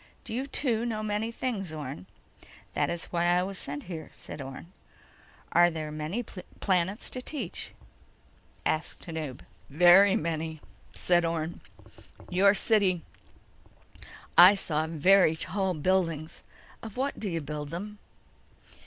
"Do you, too, know many things, Orne?" "That's why I was sent here," said Orne. "Are there many planets to teach?" asked Tanub. "Very many," said Orne. "Your city—I saw very tall buildings. Of what do you build them?"